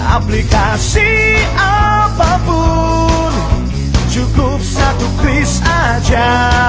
aplikasi apapun cukup satu kris saja